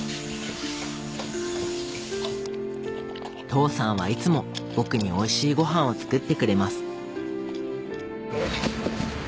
父さんはいつも僕においしいごはんを作ってくれます